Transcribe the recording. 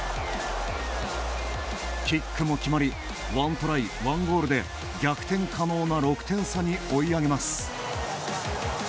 キックも決まり１トライ、１ゴールで逆転可能な６点差に追い上げます。